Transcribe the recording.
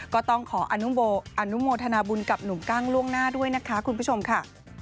ก็ต้องขออนุโมทนาบุญกับหนุ่มกั้งล่วงหน้าด้วยนะคะคุณผู้ชมค่ะ